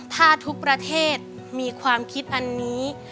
ถ้าทุกประเทศมีความคิดอันนี้